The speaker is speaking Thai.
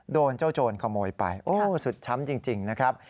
โดนเจ้าโจรขโมยไปโอ้สุดช้ำจริงนะครับ